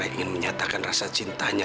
jadi itu rasanya